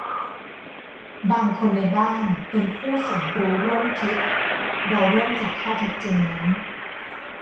บางคนในบ้านเป็นผู้สมรู้ร่วมคิด - เราเริ่มจากข้อเท็จจริงนั้น